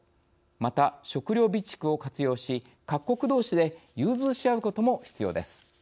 また、食糧備蓄を活用し各国どうしで融通しあうことも必要です。